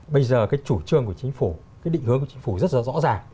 bây giờ cái chủ trương của chính phủ cái định hướng của chính phủ rất là rõ ràng